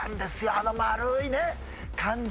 あの丸いね感じ